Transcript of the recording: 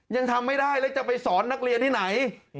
ยังทำไม่ได้แล้วจะไปสอนนักเรียนที่ไหน